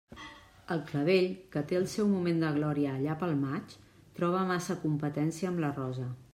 El clavell, que té el seu moment de glòria allà per maig, troba massa competència amb la rosa.